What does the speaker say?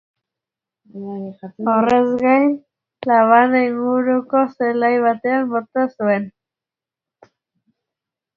Horrez gain, labana inguruko zelai batean bota zuen.